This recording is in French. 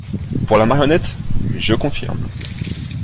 Pour la marionnette : je confirme.